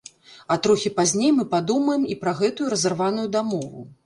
А трохі пазней мы падумаем і пра гэтую разарваную дамову.